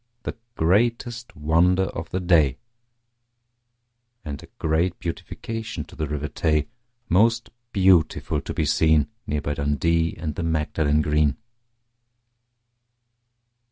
The greatest wonder of the day, And a great beautification to the River Tay, Most beautiful to be seen, Near by Dundee and the Magdalen Green.